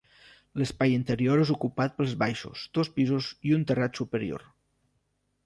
L'espai interior és ocupat pels baixos, dos pisos i un terrat superior.